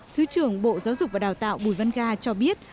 thứ trưởng bộ giáo dục và đào tạo bùi văn ga cho biết